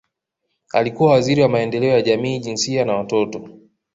Alikuwa Waziri wa Maendeleo ya Jamii Jinsia na Watoto